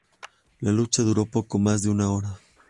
La lucha duró poco más de una hora.